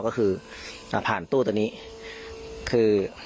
ก็คือพานตู้ตัวนี้